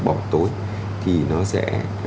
bỏ tối thì nó sẽ